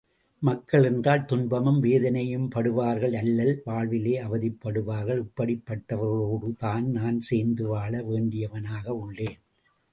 மக்கள் என்றால், துன்பமும் வேதனையும்படுபவர்கள் அல்லல் வாழ்விலே அவதிப்படுபவர்கள் இப்படிப் பட்டவர்களோடுதான் நான் சேர்ந்து வாழ வேண்டியவனாக உள்ளேன்!